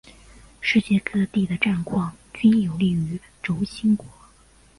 世界各地的战况均有利于轴心国。